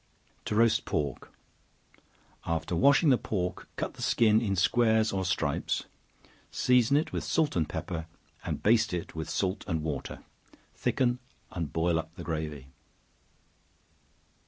To Roast Pork. After washing the pork, cut the skin in squares or stripes; season it with salt and pepper, and baste it with salt and water; thicken, and boil up the gravy.